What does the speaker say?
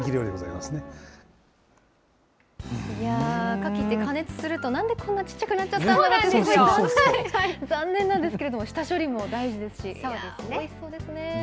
カキって加熱すると、なんでこんなにちっちゃくなっちゃったんだろうって、残念なんですけれども、下処理も大事ですし、おいしそうですね。